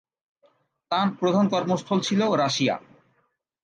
তাঁর প্রধান কর্মস্থল ছিল রাশিয়া।